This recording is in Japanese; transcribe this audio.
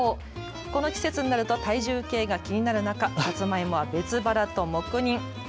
この季節になると体重計が気になる中、サツマイモは別腹と黙認。